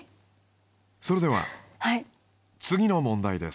それでは次の問題です。